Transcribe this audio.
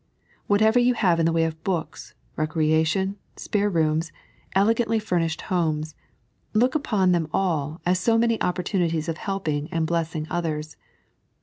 Whatever you have in the way of books, recreation, spare rooms, elegantly furnished homes, look upon them all as so many opportuni ties of helping and blessing others.